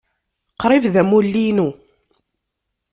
Qrib d amulli-inu.